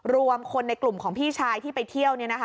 รวมคนในกลุ่มของพี่ชายที่ไปเที่ยว